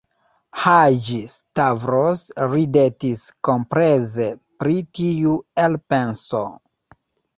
Haĝi-Stavros ridetis kompleze pri tiu elpenso.